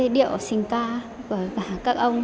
điệu sinh ca của các ông